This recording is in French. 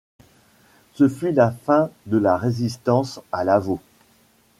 Ce fut la fin de la résistance à Lavaux.